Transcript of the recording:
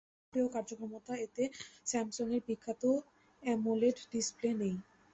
Display ও কার্যক্ষমতা এতে স্যামসাংয়ের বিখ্যাত অ্যামোলেড ডিসপ্লে নেই।